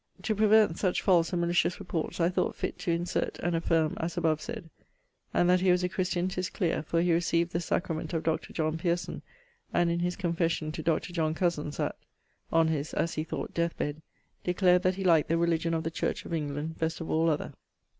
To prevent such false and malicious reports, I thought fit to insert and affirme as abovesayd. And that he was a Christian 'tis cleare, for he recieved the sacrament of Dr. Pierson, and in his confession to Dr. John Cosins, at ..., on his (as he thought) death bed, declared that he liked the religion of the church of England best of all other.